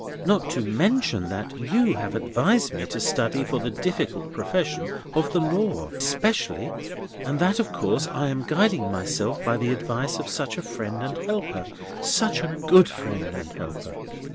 Not to mention that you have advised me to study for the difficult profession of the law, specially, and that of course I am guiding myself by the advice of such a friend and helper. Such a good friend and helper!"